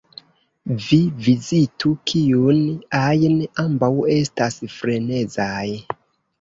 Vi vizitu kiun ajn; ambaŭ estas frenezaj.